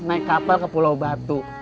naik kapal ke pulau batu